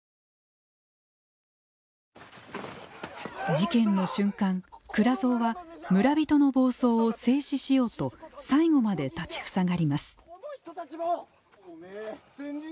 事件の瞬間、倉蔵は村人の暴走を制止しようと最後まで立ちふさがります。